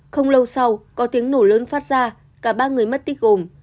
không lâu sau có tiếng nổ lớn phát ra cả ba người mất tích gồm